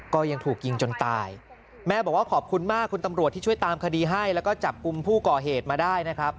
ก็ยังถูกยิงจนตายแม่บอกว่าขอบคุณมากคุณตำรวจที่ช่วยตามคดีให้แล้วก็จับกลุ่มผู้ก่อเหตุมาได้นะครับ